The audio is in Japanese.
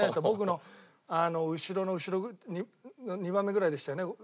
僕の後ろの後ろ２番目ぐらいでしたよね